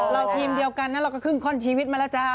ทีมเดียวกันนะเราก็ครึ่งข้อนชีวิตมาแล้วจ้า